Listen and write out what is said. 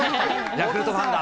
ヤクルトファンだ。